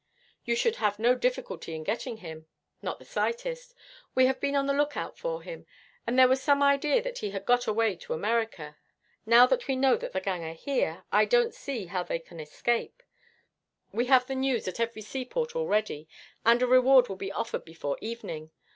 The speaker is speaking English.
'You should have no difficulty in getting him.' 'Not the slightest. We have been on the look out for him, and there was some idea that he had got away to America. Now that we know that the gang are here, I don't see how they can escape. We have the news at every seaport already, and a reward will be offered before evening.